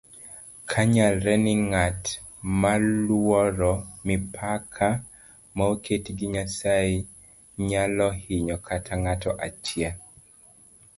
oknyalre ni ng'at maoluoro mipaka maoketi gi nyasaye nyalohinyo kata ng'ato achiel